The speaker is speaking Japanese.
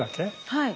はい。